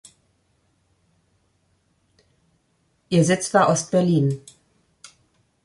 Ihr Sitz war Ost-Berlin.